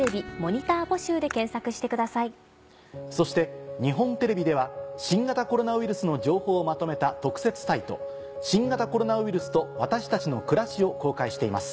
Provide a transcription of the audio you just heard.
そして日本テレビでは新型コロナウイルスの情報をまとめた特設サイト。を公開しています。